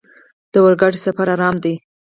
د اورګاډي سفر ارام دی.